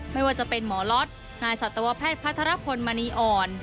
ไม่ว่าจะเป็นหมอล็อตนายสัตวแพทย์พัทรพลมณีอ่อน